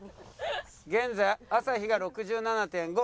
現在朝日が６７．５。